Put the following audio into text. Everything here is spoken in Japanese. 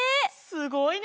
すごいね！